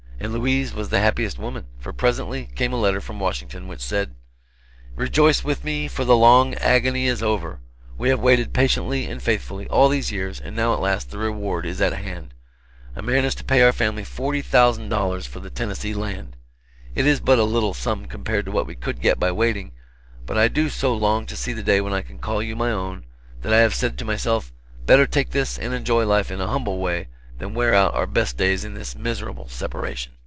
And Louise was the happiest woman; for presently came a letter from Washington which said: "Rejoice with me, for the long agony is over! We have waited patiently and faithfully, all these years, and now at last the reward is at hand. A man is to pay our family $40,000 for the Tennessee Land! It is but a little sum compared to what we could get by waiting, but I do so long to see the day when I can call you my own, that I have said to myself, better take this and enjoy life in a humble way than wear out our best days in this miserable separation.